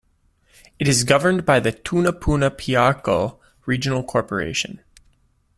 It is governed by the Tunapuna-Piarco Regional Corporation.